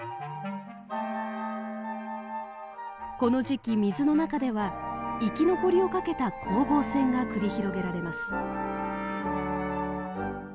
この時期水の中では生き残りをかけた攻防戦が繰り広げられます。